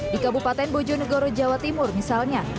di kabupaten bojonegoro jawa timur misalnya